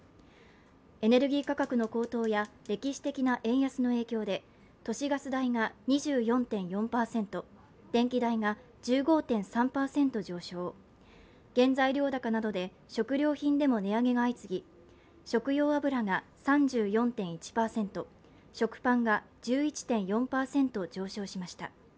エネルギー価格の高騰や歴史的な円安の影響で都市ガス代が２４．４％電気代が１５．３％上昇原材料高などで食料品でも値上げが相次ぎ、食用油が３４．１％、食パンが１１．４％上昇しました。